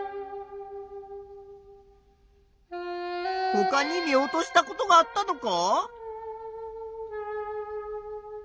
ほかに見落としたことがあったのか？